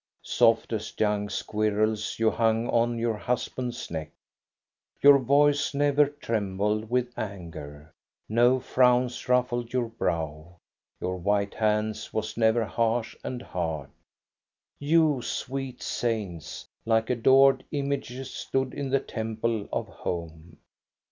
Soft as young squirrels you hung on your husband's neck. Your voice never trembled with anger, no frowns ruffled your brow, your white hand was never harsh and hard. You, sweet saints, like adored images stood in the temple of home.